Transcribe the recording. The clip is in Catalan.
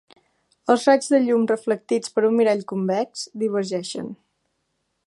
Els raigs de llum reflectits per un mirall convex divergeixen.